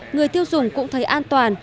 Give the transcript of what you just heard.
người tiêu dùng cũng thấy an toàn